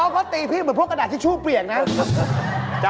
ก็ตีพี่เหมือนพวกกระดาษทิชชู่เปลี่ยนนะ